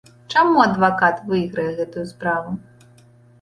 Чаму адвакат выйграе гэтую справу?